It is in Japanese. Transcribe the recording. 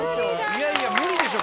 いやいや無理でしょ